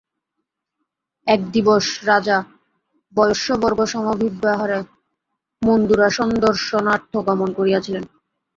এক দিবস রাজা বয়স্যবর্গসমভিব্যাহারে মন্দুরাসন্দর্শনার্থ গমন করিয়াছিলেন।